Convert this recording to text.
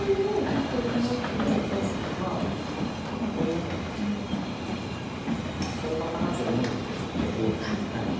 こっち切りだと多分こんな相場かなと思うんですけど。